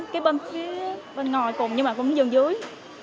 cái bên phía bên ngoài cùng nhưng mà cũng dường dưới